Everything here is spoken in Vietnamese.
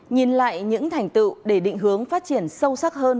nhìn lại những thành tựu để định hướng phát triển sâu sắc hơn